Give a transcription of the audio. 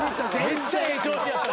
めっちゃええ調子やった。